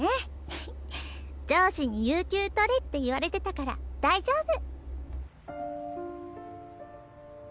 上司に「有休取れ」って言われてたから大丈夫。